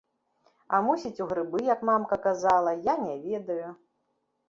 А мусіць, у грыбы, як мамка казала, я не ведаю.